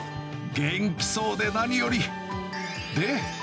元気そうで何より。